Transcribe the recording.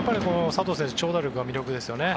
佐藤選手長打力が魅力ですよね。